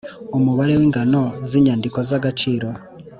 Umubare w ingano z inyandiko z agaciro